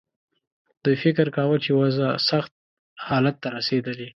دوی فکر کاوه چې وضع سخت حالت ته رسېدلې.